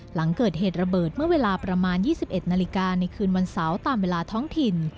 หลังเกิดเหตุระเบิดเมื่อเวลาประมาณ๒๑นาฬิกาในคืนวันเสาร์ตามเวลาท้องถิ่น